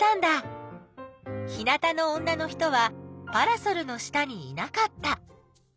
日なたの女の人はパラソルの下にいなかった。